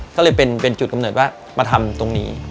ก็เลยเป็นจุดกำเนิดว่ามาทำตรงนี้